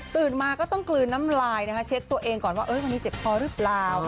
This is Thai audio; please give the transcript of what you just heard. ตื่นมาก็ต้องกรืนน้ำลายเช็กตัวเองก่อนไว้ว่าว่าอันนี้เจ็บพอหรือเปล่า